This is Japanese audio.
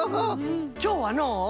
きょうはのう